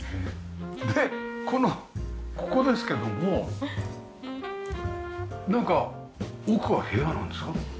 でこのここですけどもなんか奥は部屋なんですか？